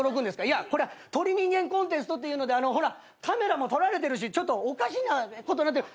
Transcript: いやこれは鳥人間コンテストっていうのでカメラも撮られてるしちょっとおかしなことになってる。